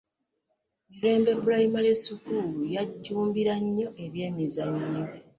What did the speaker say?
Mirembe Primary School yajjumbira nnyo ebyemizannyo.